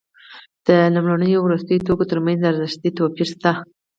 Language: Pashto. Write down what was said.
د لومړنیو او وروستیو توکو ترمنځ ارزښتي توپیر شته